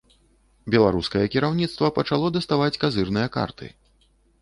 Беларускае кіраўніцтва пачало даставаць казырныя карты.